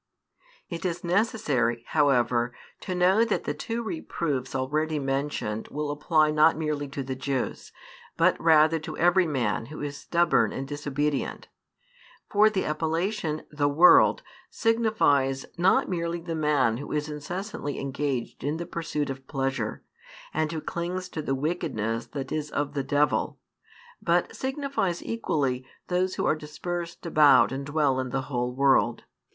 It is necessary, however, to know that the two reproofs already mentioned will apply not merely to the Jews, |446 but rather to every man who is stubborn and disobedient. For the appellation "the world" signifies not merely the man who is incessantly engaged in the pursuit of pleasure, and who clings to the wickedness that is of the devil, but signifies equally those who are dispersed about and dwell in the whole world.